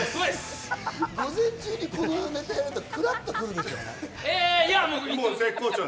午前中にこのネタやるの、クラッとくるでしょ。